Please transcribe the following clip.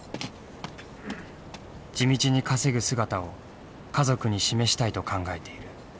地道に稼ぐ姿を家族に示したいと考えている。